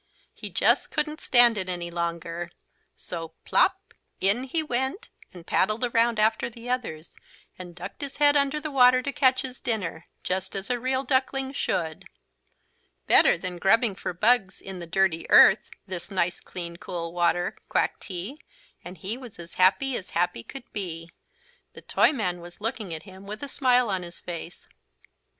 He just couldn't stand it any longer. So plopp in he went and paddled around after the others, and ducked his head under the water to catch his dinner, just as a real duckling should. "Better than grubbing for bugs in the dirty earth, this nice clean cool water," quacked he, and he was as happy as happy could be. The Toyman was looking at him with a smile on his face.